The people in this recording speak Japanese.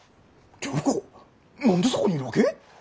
良子何でそこにいるわけ？